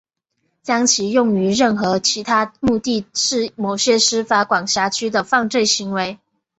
将其用于任何其他目的是某些司法管辖区的犯罪行为。